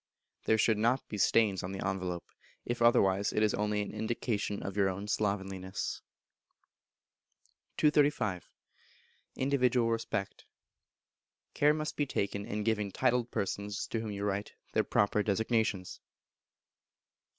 There should not be stains on the envelope; if otherwise, it is only an indication of your own slovenliness. 235. Individual Respect. Care must be taken in giving titled persons, to whom you write, their proper designations.